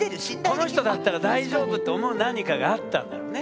この人だったら大丈夫って思う何かがあったんだろうね。